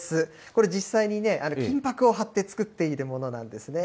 これ実際に金ぱくを貼って作っているものなんですね。